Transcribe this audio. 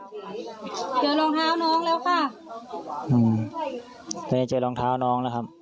เจอรองเท้าน้องแล้วค่ะอืมตอนนี้เจอรองเท้าน้องแล้วครับ